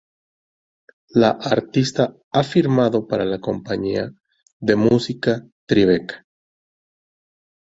La artista ha firmado para la compañía de música Tribeca.